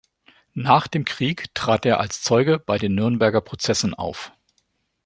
Nach dem Krieg trat er als Zeuge bei den Nürnberger Prozessen auf.